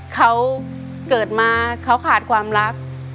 เขาเกิดมาเขาขาดความรัก